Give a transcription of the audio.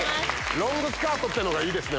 ロングスカートってのがいいですね。